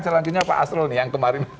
saya sarankinnya pak asrul yang kemarin